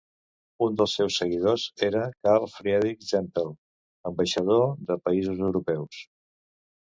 Un dels seus seguidors era Carl-Friedich Zimpel, ambaixador de països europeus.